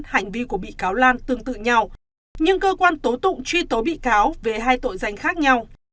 hành vi của bị cáo lan tương tự nhau nhưng cơ quan tố tụng truy tố bị cáo về hai tội danh khác nhau